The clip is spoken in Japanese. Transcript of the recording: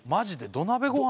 土鍋ご飯